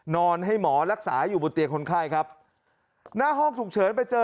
นอนให้หมอรักษาอยู่บนเตียงคนไข้ครับหน้าห้องฉุกเฉินไปเจอ